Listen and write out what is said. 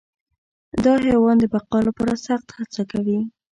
دا حیوان د بقا لپاره سخت هڅه کوي.